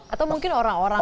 atau mungkin orang orangnya